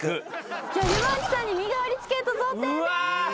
じゃ山内さんに身代わりチケット贈呈です。